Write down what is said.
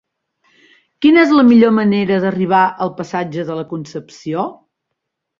Quina és la millor manera d'arribar al passatge de la Concepció?